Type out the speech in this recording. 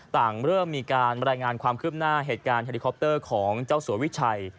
ต่างเริ่มมีการรายงานความคืบหน้าเหตุการณ์เฮลิคอปเตอร์ของเจ้าสัววิชัย